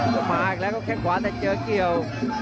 ก็มาอีกแล้วครับแค่งขวาแต่เจอเกี่ยว